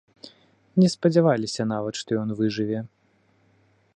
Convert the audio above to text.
Не спадзяваліся нават, што ён выжыве.